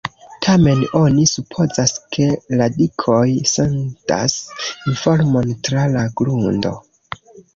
Tamen oni supozas ke radikoj sendas informon tra la grundo.